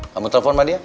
kamu telepon sama dia